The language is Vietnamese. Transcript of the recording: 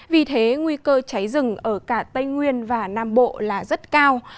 vì thế nguy cơ cháy rừng ở cả tây nguyên và nam bộ là rất cao